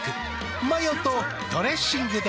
マヨとドレッシングで。